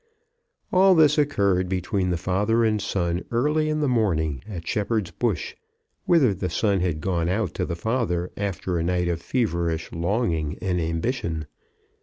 All this occurred between the father and son early in the morning at Shepherd's Bush, whither the son had gone out to the father after a night of feverish longing and ambition.